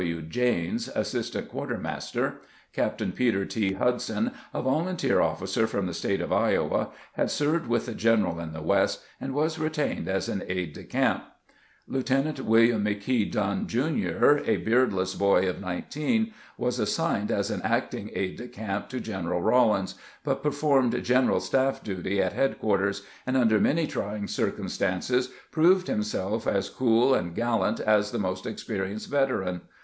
W. Janes, assistant quartermaster. Captain Peter T. Hudson, a volunteer officer from the State of Iowa, had served with the general in the West, and was retained as an aide de camp. Lieutenant William McKee Dunn, Jr., a beardless boy of nineteen, was assigned as an acting aide de camp to General Rawlins, but performed general staff duty at headquarters, and under many trying circumstances proved himself as cool and gallant as the most experi enced veteran.